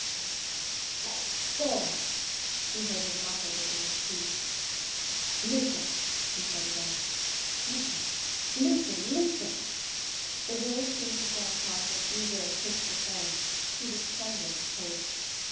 'God! God! God!' she heard him mutter between his teeth. 'Listen!' he said again. 'Listen! listen! listen!' The words seemed to form part of an eager, hissed refrain. He was trembling with haste.